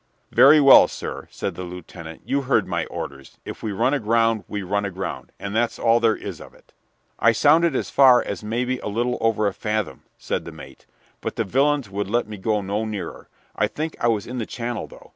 "Very well, sir," said the lieutenant, "you heard my orders. If we run aground we run aground, and that's all there is of it." "I sounded as far as maybe a little over a fathom," said the mate, "but the villains would let me go no nearer. I think I was in the channel, though.